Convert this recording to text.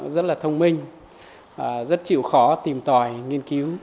rất là thông minh rất chịu khó tìm tòi nghiên cứu